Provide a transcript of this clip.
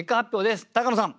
高野さん